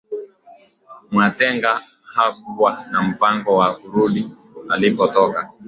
mwatenga hakuwa na mpango wa kurudi alipotoka